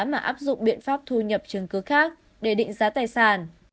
mà áp dụng biện pháp thu nhập chứng cứ khác để định giá tài sản